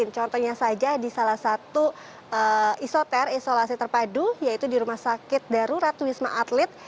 contohnya saja di salah satu isoter isolasi terpadu yaitu di rumah sakit darurat wisma atlet